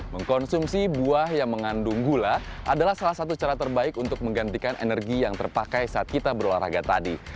mengkonsumsi buah yang mengandung gula adalah salah satu cara terbaik untuk menggantikan energi yang terpakai saat kita berolahraga tadi